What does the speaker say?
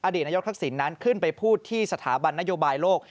นายกทักษิณนั้นขึ้นไปพูดที่สถาบันนโยบายโลก